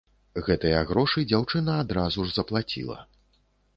Гэтыя грошы дзяўчына адразу ж заплаціла.